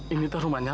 ini tuh rumahnya